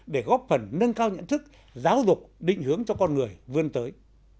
để góp phần nâng cao nhận thức giáo dục định hướng cho con người vươn tới